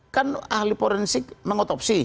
kan ahli forensik mengotopsi